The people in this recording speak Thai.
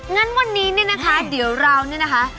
งั้นวันนี้เนี่ยนะคะเดี๋ยวเราเนี่ยนะคะ